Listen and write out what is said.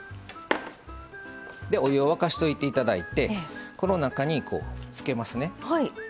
お湯を沸かしておいていただいてこの中に、つけますね。